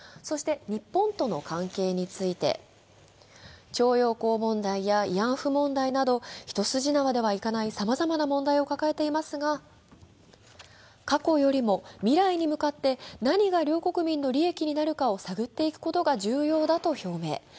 そして、日本との関係について、徴用工問題や慰安婦問題など一筋縄ではいかないさまざまな問題を抱えていますが過去よりも未来に向かって何が両国民の利益になるかを探っていくことが重要だと表明。